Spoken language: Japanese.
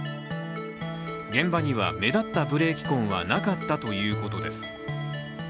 現場には目立ったブレーキ痕はなかったということです。